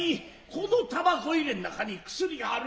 このタバコ入れの中に薬がある。